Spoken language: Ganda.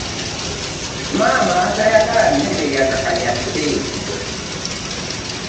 Maama tayagala mmere yakakanyadde.